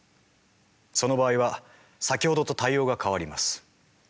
その場合は先ほどと対応が変わります。